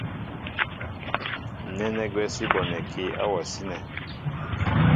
Nɛ́nɛ́ gwɛ́ sí bonɛkí áwasí nɛ̄.